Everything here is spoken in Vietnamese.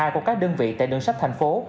của các đơn vị tại đường sách thành phố